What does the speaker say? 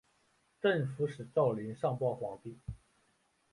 镇抚使赵霖上报皇帝。